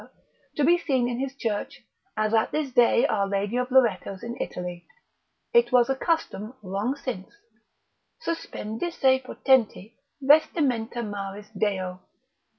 to be seen in his church, as at this day our Lady of Loretto's in Italy. It was a custom long since, ———suspendisse potenti Vestimenta maris deo.